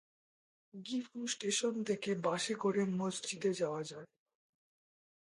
Gifu station থেকে বাসে করে মসজিদে যাওয়া যায়।